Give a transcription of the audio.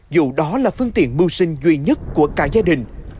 dù đó là phương tiện mưu sinh duy nhất của cả gia đình